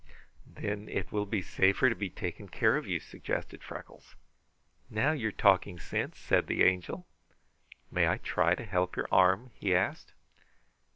"Then it will be safer to be taking care of you," suggested Freckles. "Now you're talking sense!" said the Angel. "May I try to help your arm?" he asked.